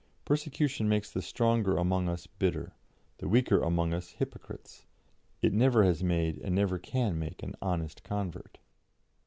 Persecution makes the stronger among us bitter; the weaker among us hypocrites; it never has made and never can make an honest convert."